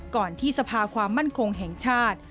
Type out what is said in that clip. ที่สภาความมั่นคงแห่งชาติ